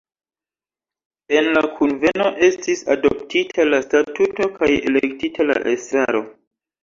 En la kunveno estis adoptita la statuto kaj elektita la estraro.